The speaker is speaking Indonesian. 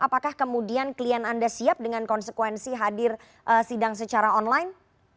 apakah kemudian klien anda siap dengan konsekuensi hadir sidang secara online